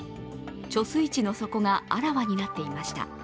貯水池の底があらわになっていました。